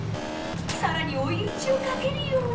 更に追い打ちをかけるように。